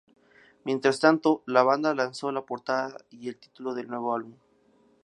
Mientras tanto, la banda lanzó la portada y el título del nuevo álbum.